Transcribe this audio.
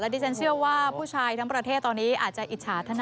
ดิฉันเชื่อว่าผู้ชายทั้งประเทศตอนนี้อาจจะอิจฉาธนา